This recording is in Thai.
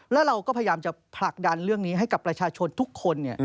แล้วเราก็พยายามจะผลักดันเรื่องนี้ให้กับประชาชนทุกคน